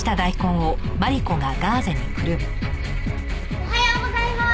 おはようございまーす！